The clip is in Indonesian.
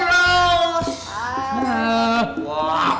makasih kalo lo pengen